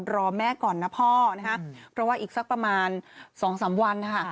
รอแม่ก่อนนะพ่อนะคะเพราะว่าอีกสักประมาณ๒๓วันนะคะ